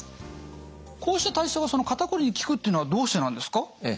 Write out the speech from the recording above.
こうした体操が肩こりに効くっていうのはどうしてなんですか？